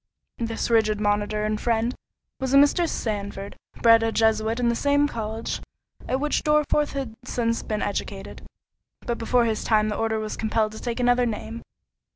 This rigid monitor and friend was a Mr. Sandford, bred a Jesuit in the same college at which Dorriforth had since been educated, but before his time the order was compelled to take another name.